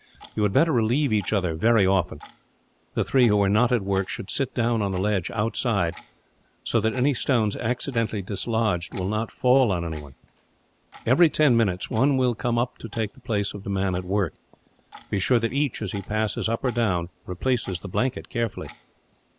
You had better relieve each other very often. The three who are not at work should sit down on the ledge, outside, so that any stone accidentally dislodged will not fall on anyone. Every ten minutes, one will come up to take the place of the man at work. Be sure that each, as he passes up or down, replaces the blanket carefully."